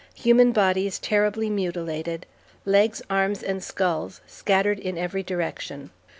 Human bodies terribly mutilated, legs, arms, and skulls scattered in every direction.